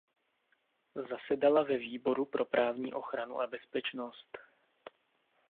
Zasedala ve výboru pro právní ochranu a bezpečnost.